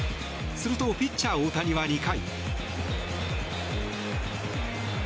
するとピッチャー・大谷は２回。